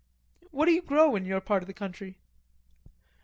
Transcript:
"What do you grow in your part of the country?"